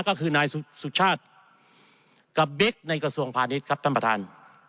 ก็คือนายสุชาติกับบิ๊กในกระทรวงพาณิชย์ครับท่านประธาน